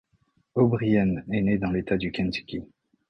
O'Brien est né dans l’état du Kentucky.